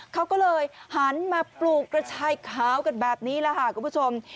เขาก็เลยหันมาปลูกกระชายขาวกันแบบนี้แหละค่ะคุณผู้ชม